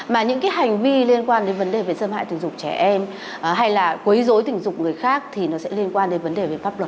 mà những cái hành vi liên quan đến vấn đề về xâm hại tình dục trẻ em hay là quấy dối tình dục người khác thì nó sẽ liên quan đến vấn đề về pháp luật